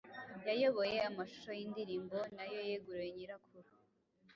yayoboye amashusho y'indirimbo nayo yeguriwe nyirakuru